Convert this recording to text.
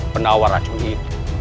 dan menawarkan penawar racun itu